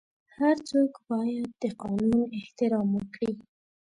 هر څوک باید د قانون احترام وکړي.